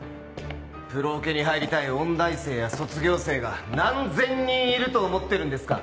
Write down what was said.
プロオケに入りたい音大生や卒業生が何千人いると思ってるんですか？